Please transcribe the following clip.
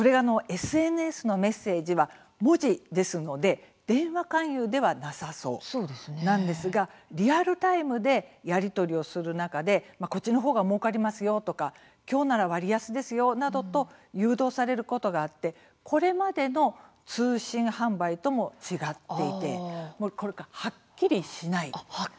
ＳＮＳのメッセージは文字ですので電話勧誘ではなさそうなんですがリアルタイムでやり取りをする中でこっちの方がもうかりますよ今日なら割安ですよなどと誘導されることがあってこれまでの通信販売とも違っていて、はっきりしない。